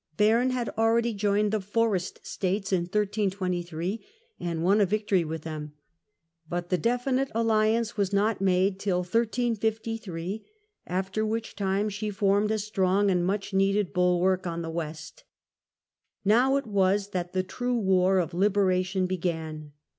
Bern had ah'eady joined the Forest States in 1323 and won a victory with theni, but the definite alHance was not made till 1353, after which time she formed a strong and much needed bulwark on the West. Now it was that the true war of Liberation began.